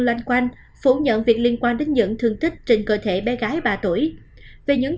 loanh quanh phủ nhận việc liên quan đến những thương tích trên cơ thể bé gái ba tuổi về những